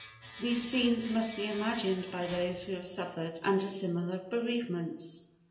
These scenes must be imagined by those who have suffered under similar bereavements.